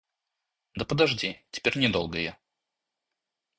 Да подожди, теперь не долго я...